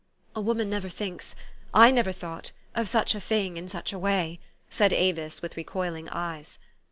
4 c A woman never thinks I never thought of such a thing in such a way," said Avis, with recoil ing eyes.